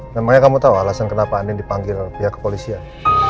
namanya kamu tau alasan kenapa andien dipanggil pihak kepolisian